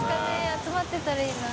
集まってたらいいな。